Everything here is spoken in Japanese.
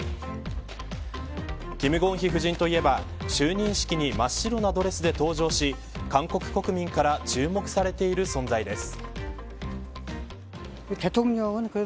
金建希夫人といえば就任式に真っ白なドレスで登場し韓国国民から注目されている存在です。